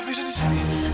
kamu kenapa disini